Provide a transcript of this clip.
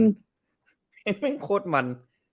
เพลงแม่งโคตรมัน